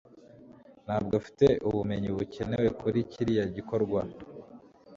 ntabwo afite ubumenyi bukenewe kuri kiriya gikorwa